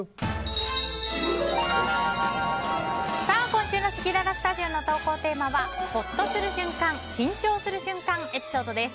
今週のせきららスタジオの投稿テーマはほっとする瞬間＆緊張する瞬間エピソードです。